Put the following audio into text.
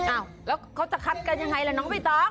อ้าวแล้วเขาจะคัดกันยังไงล่ะน้องใบตอง